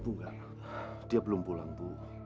ibu nggak dia belum pulang bu